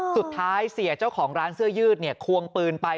สุดท้ายเสียเจ้าของร้านเสื้อยืดควงปืนไป